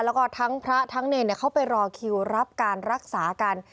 แล้วก็ทั้งพระทั้งเนรเขาไปรอคิวรับการรักษากัน